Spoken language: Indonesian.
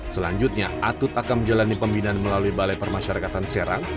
selanjutnya atut akan menjalani pembinaan melalui balai permasyarakatan serang